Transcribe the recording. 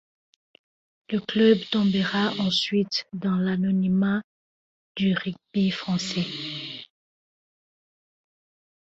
Le club tombera ensuite dans l'anonymat du rugby français.